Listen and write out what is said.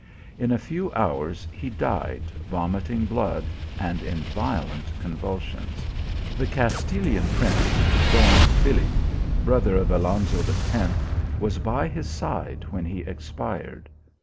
In a few hours he died vomiting blood, and in violent convulsions. The Castilian prince, Don Philip, brother of Alonzo X. , was bv his side :?<io THE ALffAM&RA when he expired.